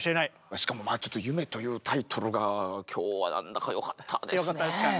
しかもちょっと「夢」というタイトルが今日は何だかよかったですね。